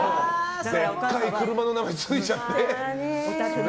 でっかい車の名前ついちゃって。